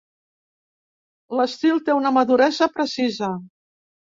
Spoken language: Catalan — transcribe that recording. L'estil té una maduresa precisa.